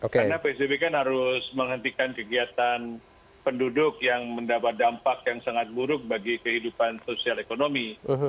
karena psbb kan harus menghentikan kegiatan penduduk yang mendapat dampak yang sangat buruk bagi kehidupan sosial ekonomi